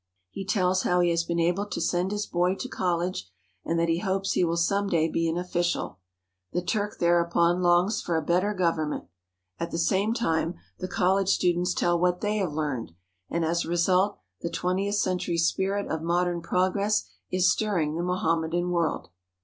He tells how he has been able to send his boy to college, and that he hopes he will some day be an official. The Turk, there upon, longs for a better government. At the same time the college students tell what they have learned, and as a result the twentieth century spirit of modern progress is stirring the Mohammedan world.